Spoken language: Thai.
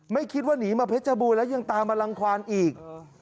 ไม่คิดว่าหนีมาเพชรบูรณ์แล้วยังตามมารังความอีก